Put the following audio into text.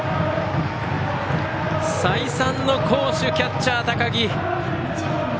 再三の好守キャッチャー、高木。